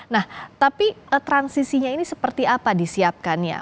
nah tapi transisinya ini seperti apa disiapkannya